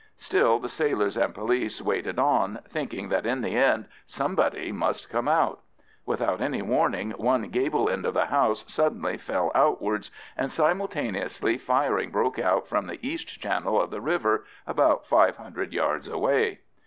Still the sailors and police waited on, thinking that in the end somebody must come out. Without any warning one gable end of the house suddenly fell outwards, and simultaneously firing broke out from the east channel of the river, about five hundred yards away.